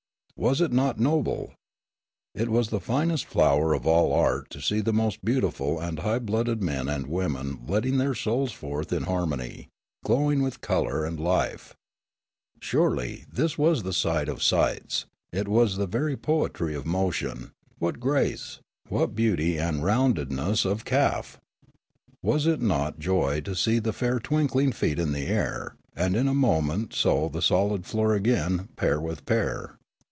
" Was it not noble ? It was the finest flower of all art to see the most beautiful and high blooded of men and women letting their souls forth in harmony, glowing with 52 Social Customs 53 colour and life ; surely this was the sight of sights ; it was the very poetry of motion ; what grace! what beauty and roundedness of calf ! was it not joy to see the fair twinkling feet in the air, and in a moment so the solid floor again, pair with pair